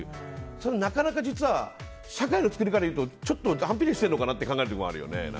それなかなか実は社会の作りからいうとちょっと反比例してるのかなと考えるところもあるよね。